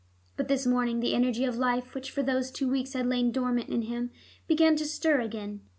But this morning the energy of life which for those two weeks had lain dormant in him, began to stir again.